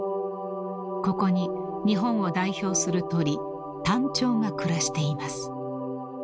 ［ここに日本を代表する鳥タンチョウが暮らしています］